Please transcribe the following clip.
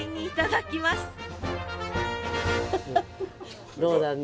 いただきます。